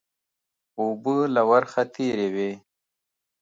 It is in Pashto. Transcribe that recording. اوبه له ورخه تېرې وې